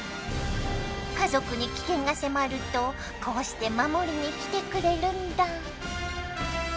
家族に危険が迫るとこうして守りに来てくれるんだ。